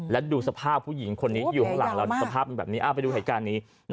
และดูสภาพผู้หญิงคนนี้ที่อยู่ข้างหลังเราสภาพเป็นแบบนี้ไปดูเหตุการณ์นี้